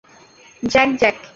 Jack, Jack!